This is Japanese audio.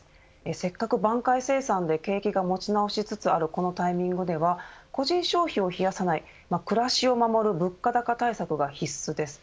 せっかく挽回生産で景気が持ち直しつつあるこのタイミングでは個人消費を冷やさない暮らしを守る物価高対策が必須です。